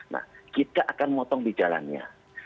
nah kita akan motong di jalannya